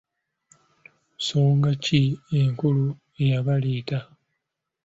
Nsonga ki enkulu eyabaleeta?